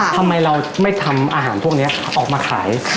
ทำไมเราไม่ทำอาหารพวกนี้ออกมาขาย